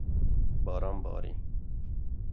Baran barî